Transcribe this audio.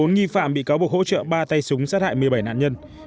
một mươi nghi phạm bị cáo buộc hỗ trợ ba tay súng sát hại một mươi bảy nạn nhân